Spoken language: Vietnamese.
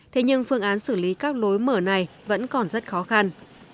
thế nhưng phương án xử lý các lối mở này vẫn còn rất khó khăn